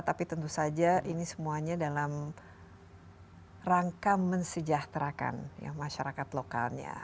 tapi tentu saja ini semuanya dalam rangka mensejahterakan masyarakat lokalnya